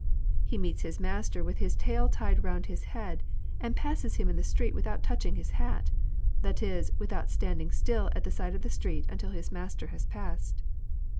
He meets his master with his tail tied round his head, and passes him in the street without touching his hat, that is, without standing still at the side of the street until his master has passed.